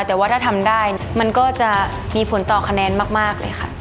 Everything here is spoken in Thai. แต่ว่าถ้าทำได้มันก็จะมีผลต่อคะแนนมากเลยค่ะ